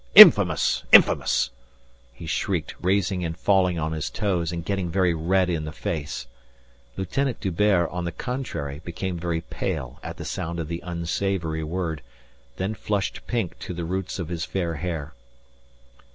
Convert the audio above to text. Infamous! Infamous!" he shrieked, raising and falling on his toes and getting very red in the face. Lieutenant D'Hubert, on the contrary, became very pale at the sound of the unsavoury word, then flushed pink to the roots of his fair hair.